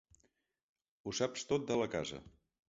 Ho saps tot de la casa.